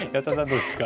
どうですか？